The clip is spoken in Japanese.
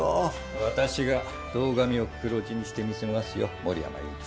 私が堂上を黒字にしてみせますよ森山院長。